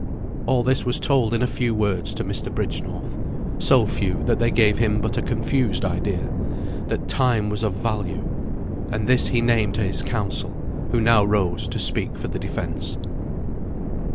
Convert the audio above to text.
All this was told in a few words to Mr. Bridgenorth so few, that they gave him but a confused idea, that time was of value; and this he named to his counsel, who now rose to speak for the defence.